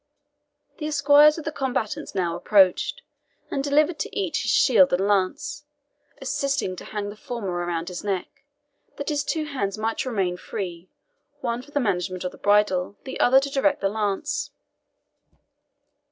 The esquires of the combatants now approached, and delivered to each his shield and lance, assisting to hang the former around his neck, that his two hands might remain free, one for the management of the bridle, the other to direct the lance.